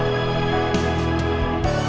terima kasih ya allah